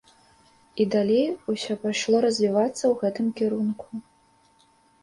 І далей усё пайшло развівацца ў гэтым кірунку.